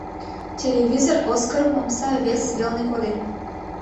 Телевизор Оскарым омса вес велне коден.